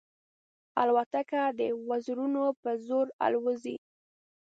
الوتکه د وزرونو په زور الوزي.